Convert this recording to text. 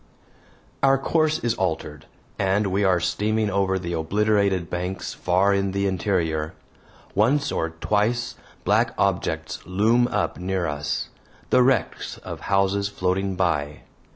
Our course is altered, and we are steaming over the obliterated banks far in the interior. Once or twice black objects loom up near us the wrecks of houses floating by.